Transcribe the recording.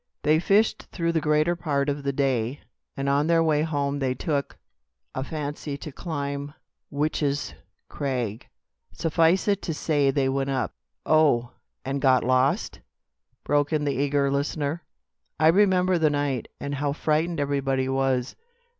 They fished through the greater part of the day, and on their way home they took a fancy to climb Witch's Crag. Suffice it to say they went up " "Oh! and got lost!" broke in the eager listener. "I remember the night, and how frightened everybody was.